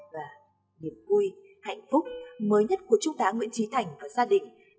và niềm vui hạnh phúc mới nhất của chúng ta nguyễn trí thành và gia đình